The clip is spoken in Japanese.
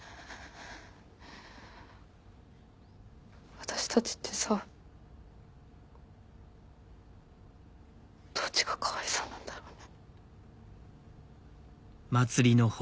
私たちってさどっちがかわいそうなんだろうね。